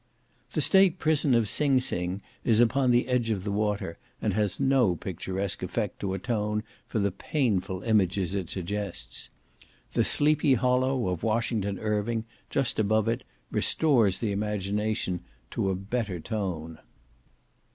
The state prison of Sing Sing is upon the edge of the water, and has no picturesque effect to atone for the painful images it suggests; the "Sleepy Hollow" of Washington Irving, just above it, restores the imagination to a better tone.